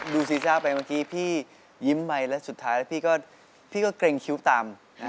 ดูซีซ่าไปเมื่อกี้พี่ยิ้มใหม่และสุดท้ายพี่ก็กลึงคิ้วต่ำ